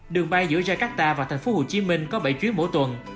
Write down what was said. đường bay giữa jakarta và thành phố hồ chí minh có bảy chuyến mỗi tuần